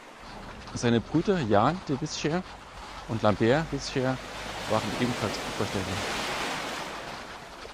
Seine Brüder Jan de Visscher und Lambert Visscher waren ebenfalls Kupferstecher.